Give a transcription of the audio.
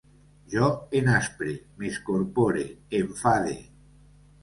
Jo enaspre, m'escorpore, enfade